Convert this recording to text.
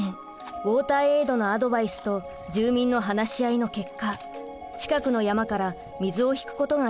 ウォーターエイドのアドバイスと住民の話し合いの結果近くの山から水を引くことが決まりました。